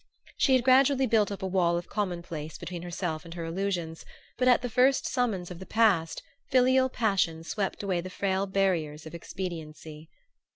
She had gradually built up a wall of commonplace between herself and her illusions, but at the first summons of the past filial passion swept away the frail barriers of expediency.